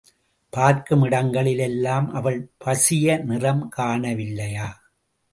பார்க்கும் இடங்களில் எல்லாம் அவள் பசிய நிறம் காண வில்லையா?